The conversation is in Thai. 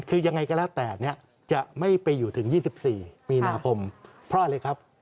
คือยังไงก็แล้วแต่เนี่ยจะไม่ไปอยู่ถึง๒๔มีนาคมเพราะอะไรครับ